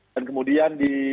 dan kemudian di